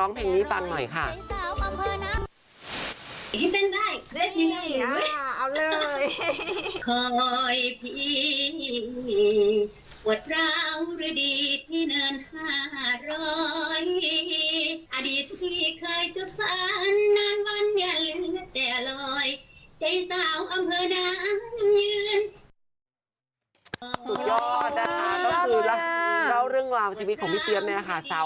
สุดยอดนะคะก็คือสาวที่หมาพรีแล้วค่ะ